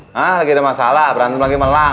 hah lagi ada masalah berantem lagi sama lang